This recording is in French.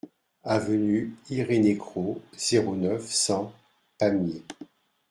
Avenue Irénée Cros, zéro neuf, cent Pamiers